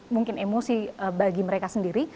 mungkin emosi bagi mereka sendiri